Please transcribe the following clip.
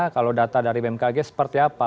kalau data dari bmkg seperti apa